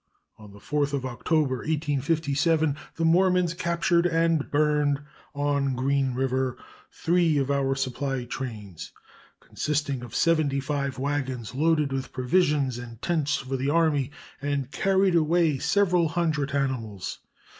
On the 4th of October, 1857, the Mormons captured and burned, on Green River, three of our supply trains, consisting of seventy five wagons loaded with provisions and tents for the army, and carried away several hundred animals.